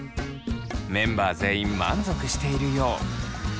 メンバー全員満足しているよう。